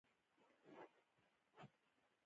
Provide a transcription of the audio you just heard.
چې دلته خو خلک د څښلو اوبو پسې ورک ګرځي